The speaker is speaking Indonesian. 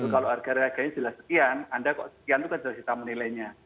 kalau harga harganya jelas sekian anda kok sekian itu kan jelas kita menilainya